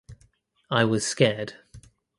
I was scared.